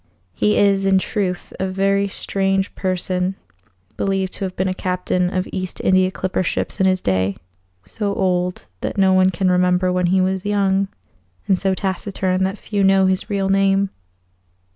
He is, in truth, a very strange person, believed to have been a captain of East India clipper ships in his day; so old that no one can remember when he was young, and so taciturn that few know his real name.